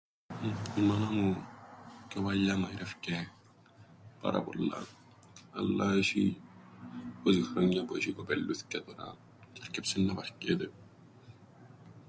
Η μάνα μου πιο παλιά εμαείρευκεν πάρα πολλά, αλλά έσ̆ει είκοσι χρόνια που έσ̆ει κοπελλούθκια τωρά τζ̆αι άρκεψεν να βαρκέται.